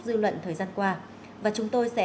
dư luận thời gian qua và chúng tôi sẽ